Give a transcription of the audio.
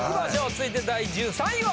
続いて第１３位は。